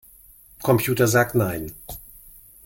Computer sagt nein.